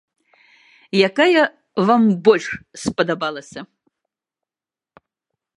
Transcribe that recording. Якая вам больш спадабалася?